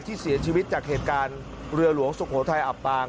เสียชีวิตจากเหตุการณ์เรือหลวงสุโขทัยอับปาง